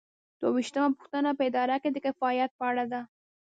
دوه ویشتمه پوښتنه په اداره کې د کفایت په اړه ده.